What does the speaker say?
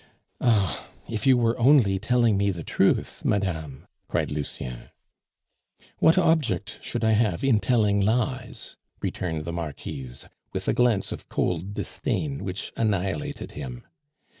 "Ah! if you were only telling me the truth, madame!" cried Lucien. "What object should I have in telling lies?" returned the Marquise, with a glance of cold disdain which annihilated him.